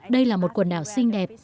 đây là một quần đảo xinh đẹp